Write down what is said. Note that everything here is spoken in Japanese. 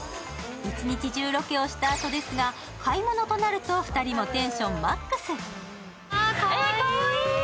１日中ロケをしたあとですが買い物となると２人もテンションマックス。